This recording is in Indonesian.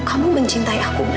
kamu mencintai aku man